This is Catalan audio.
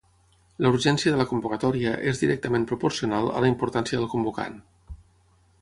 La urgència de la convocatòria és directament proporcional a la importància del convocant.